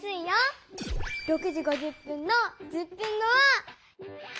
６時５０分の１０分後は。